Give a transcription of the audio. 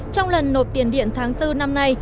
trong lần nộp tiền điện tháng bốn năm nay